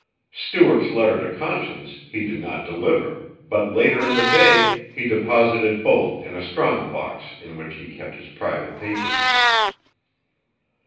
Stuart's letter to Conscience he did not deliver, but later in the day he deposited both in a strong box in which he kept his private papers.